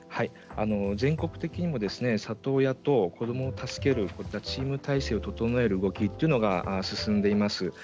全国的には里親と子どもを助けるチーム体制を整える動きというのは進んでいます。